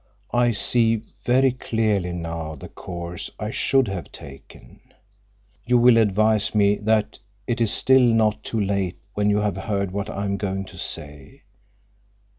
"I see very clearly now the course I should have taken. You will advise me that it is still not too late when you have heard what I am going to say.